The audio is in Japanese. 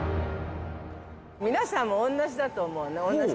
◆皆さんも同じだと思う。